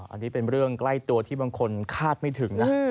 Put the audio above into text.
อันนี้เป็นเรื่องใกล้ตัวที่บางคนคาดไม่ถึงนะ